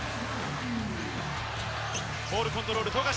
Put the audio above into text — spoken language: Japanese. ボールコントロール、富樫。